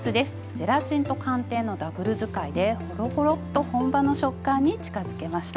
ゼラチンと寒天のダブル使いでホロホロッと本場の食感に近づけました。